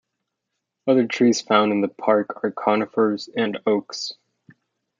Other trees found in the park are conifers, and oaks.